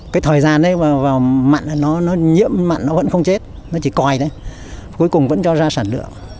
cái thời gian đấy mà vào mặn nó nhiễm mặn nó vẫn không chết nó chỉ còi đấy cuối cùng vẫn cho ra sản lượng